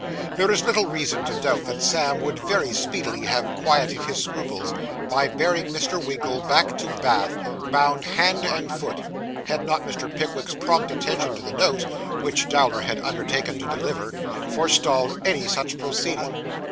There is little reason to doubt that Sam would very speedily have quieted his scruples, by bearing Mr. Winkle back to Bath, bound hand and foot, had not Mr. Pickwick's prompt attention to the note, which Dowler had undertaken to deliver, forestalled any such proceeding.